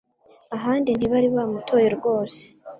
ahandi ntibari bamutoye rwose